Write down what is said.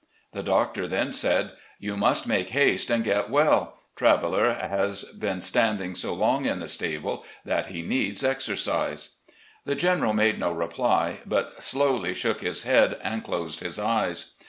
The doctor then said : 'You must make haste and get well ; Traveller has been standing so long in the stable that he needs exercise.' The General made no reply, but slowly shook his head and closed his eyes.